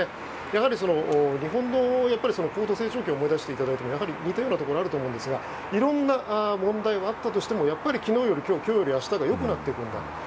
やはり、日本の高度成長期を思い出してもらってもやはり似たようなところがあると思うんですがいろんな問題はあったとしてもやっぱり昨日より今日今日より明日が良くなっていくんだと。